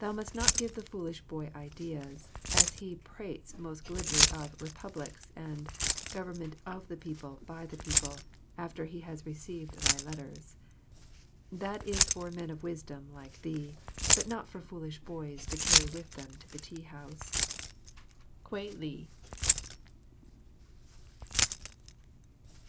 Thou must not give the foolish boy ideas, as he prates most glibly of "republics" and "government of the people by the people," after he has received thy letters. That is for men of wisdom like thee, but not for foolish boys to carry with them to the tea house. Kwei li.